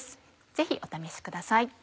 ぜひお試しください。